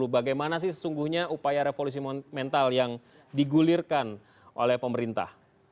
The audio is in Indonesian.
bagaimana sih sesungguhnya upaya revolusi mental yang digulirkan oleh pemerintah